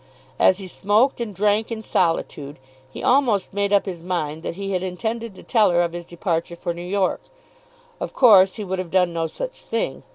As he smoked and drank in solitude, he almost made up his mind that he had intended to tell her of his departure for New York. Of course he would have done no such thing.